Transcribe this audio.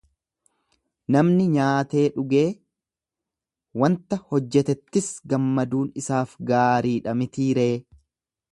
Namni nyaatee, dhugee, wanta hojjetettis gammaduun isaaf gaarii dha mitii ree?